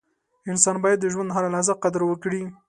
• انسان باید د ژوند هره لحظه قدر وکړي.